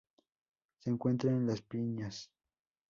Se encuentra en las piñas.